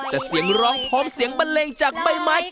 แต่เสียงร้องพร้อมเสียงบันเลงจากใบไม้